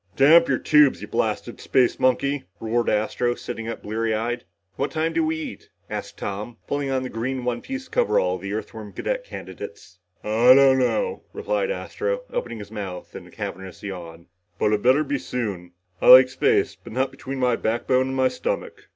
"Damp your tubes, you blasted space monkey," roared Astro, sitting up bleary eyed. "What time do we eat?" asked Tom, pulling on the green one piece coverall of the Earthworm cadet candidates. "I don't know," replied Astro, opening his mouth in a cavernous yawn. "But it'd better be soon. I like space, but not between my backbone and my stomach!"